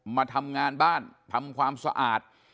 มาทำงานบ้านทำความสะอาด